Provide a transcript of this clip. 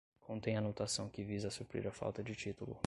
contêm anotação que visa a suprir a falta de título